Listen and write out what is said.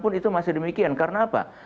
pun itu masih demikian karena apa